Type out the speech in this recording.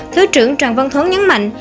thứ trưởng tràng văn thúng nhấn mạnh